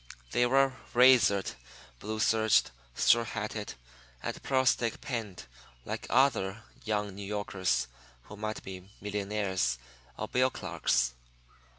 They were razored, blue serged, straw hatted, and pearl stick pinned like other young New Yorkers who might be millionaires or bill clerks.